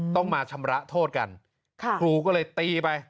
ต้องมาชำระโทษกันครูก็เลยตีไป